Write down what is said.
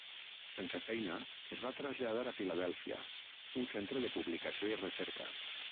Sense feina, es va traslladar a Filadèlfia, un centre de publicació i recerca.